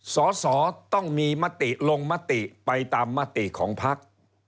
สอสอต้องมีมติลงมติไปตามมติของพัก